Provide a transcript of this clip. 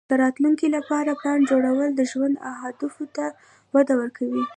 د راتلونکې لپاره پلان جوړول د ژوند اهدافو ته وده ورکوي.